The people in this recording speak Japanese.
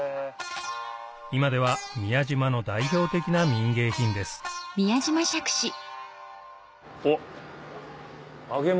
今では宮島の代表的な民芸品ですおっ「揚げもみじ」。